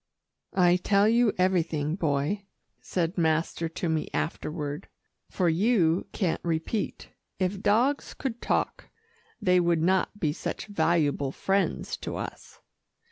"I tell you everything, Boy," said master to me afterward, "for you can't repeat. If dogs could talk, they would not be such valuable friends to us."